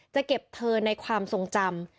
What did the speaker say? จะเก็บเธอในความทรงจำ